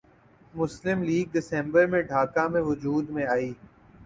مسلم لیگ دسمبر میں ڈھاکہ میں وجود میں آئی